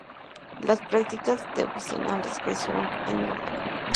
Las prácticas devocionales crecieron en número.